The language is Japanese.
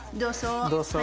どうぞ。